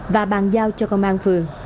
và bàn giao cho công an phường